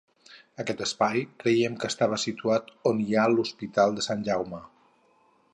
Aquest espai, creiem que estava situat on hi ha l'Hospital de Sant Jaume.